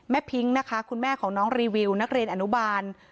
พิ้งนะคะคุณแม่ของน้องรีวิวนักเรียนอนุบาล